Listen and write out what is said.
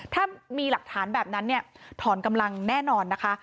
ถ้ามีหลักฐานแบบนั้นเนี่ยถอนกำลังแน่นอนนะคะ